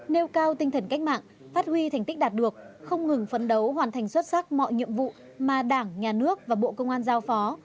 nêu cao tinh thần cách mạng phát huy thành tích đạt được không ngừng phấn đấu hoàn thành xuất sắc mọi nhiệm vụ mà đảng nhà nước và bộ công an giao phó